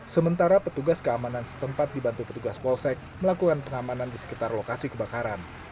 sementara petugas keamanan setempat dibantu petugas polsek melakukan pengamanan di sekitar lokasi kebakaran